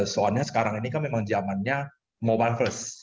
soalnya sekarang ini kan memang jamannya mobile first